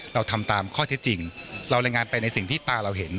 เราทำตามข้อเท็จจริงเรารายงานไปในสิ่งที่ตาเราเห็น